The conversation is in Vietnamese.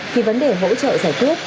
khi vấn đề hỗ trợ giải quyết